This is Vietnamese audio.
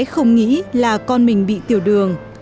em bé không nghĩ là con mình bị tiểu đường